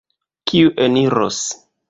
Kiu eniros?